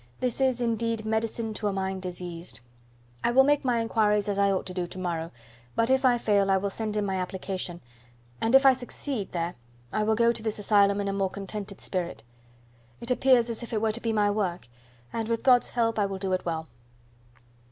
"This is, indeed, medicine to a mind diseased. I will make my inquiries as I ought to do tomorrow; but if I fail I will send in my application; and if I succeed there, I will go to this asylum in a more contented spirit. It appears as if it were to be my work, and with God's help I will do it well."